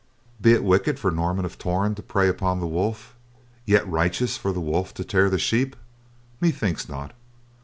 "Be it wicked for Norman of Torn to prey upon the wolf, yet righteous for the wolf to tear the sheep? Methinks not.